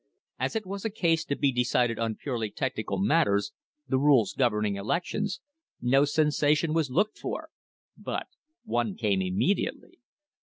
As it was a case to be decided on purely technical matters the rules governing elections no sensa tion was looked for, but one came immediately.